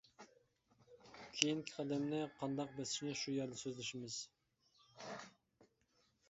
كېيىنكى قەدەمنى قانداق بېسىشنى شۇ يەردە سۆزلىشىمىز.